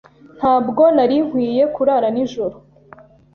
Ntabwo nari nkwiye kurara nijoro.